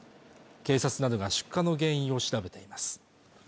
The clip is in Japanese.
警察などが出火の原因を調べています